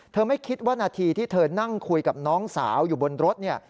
ไม่คิดว่านาทีที่เธอนั่งคุยกับน้องสาวอยู่บนรถเนี่ย